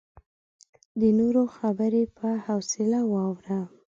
د نورو خبرې په حوصله واوره.